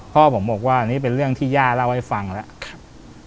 พ่อผมบอกว่านี่เป็นเรื่องที่ย่าเล่าให้ฟังแล้ว